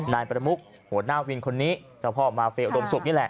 นายประมุกหัวหน้าวินคนนี้เจ้าพ่อมาเฟียอุดมศุกร์นี่แหละ